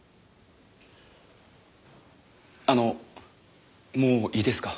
あのもういいですか？